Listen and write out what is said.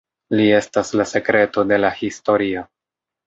Li estas la sekreto de la historio.